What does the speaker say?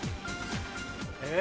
え？